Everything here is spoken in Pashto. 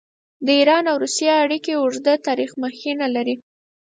د ایران او روسیې اړیکې اوږده تاریخي مخینه لري.